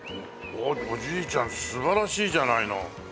おじいちゃん素晴らしいじゃないの。